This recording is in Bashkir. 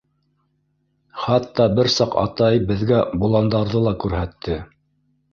Хатта бер саҡ атай беҙгә боландарҙы ла күрһәтте!